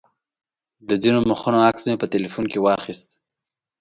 د ځینو مخونو عکس مې په تیلفون کې واخیست.